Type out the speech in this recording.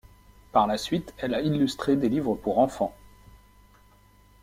Par la suite, elle a illustré des livres pour enfants.